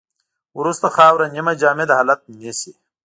وروسته خاوره نیمه جامد حالت نیسي